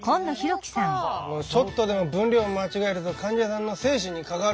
ちょっとでも分量を間違えると患者さんの生死に関わることだからね。